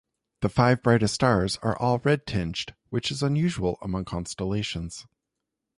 The five brightest stars are all red-tinged, which is unusual among constellations.